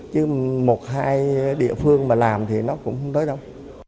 chứ một hai địa phương mà làm thì nó cũng không tới đâu